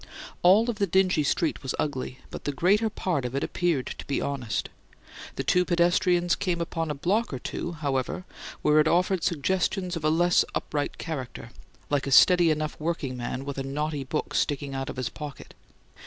All of the dingy street was ugly, but the greater part of it appeared to be honest. The two pedestrians came upon a block or two, however, where it offered suggestions of a less upright character, like a steady enough workingman with a naughty book sticking out of his pocket.